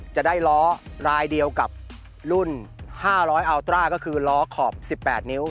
จะได้ล้อลายเดียวกับรุ่นห้าร้อยอัลตร้าก็คือล้อขอบสิบแปดนิ้ว